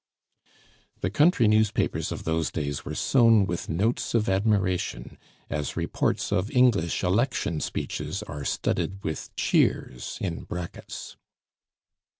(The country newspapers of those days were sown with notes of admiration, as reports of English election speeches are studded with "cheers" in brackets.)